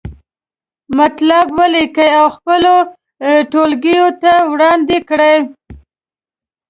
مطلب ولیکئ او خپلو ټولګیوالو ته یې وړاندې کړئ.